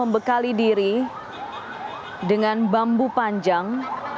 membekali diri dengan bambu panjang